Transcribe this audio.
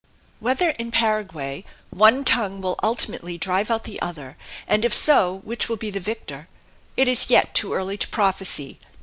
Whether in Paraguay one tongue will ultimately drive out the other, and, if so, which will be the victor, it is yet too early to prophesy.